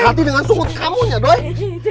hati hati dengan sungut kamu ya doi